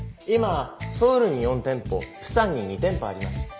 今ソウルに４店舗釜山に２店舗あります。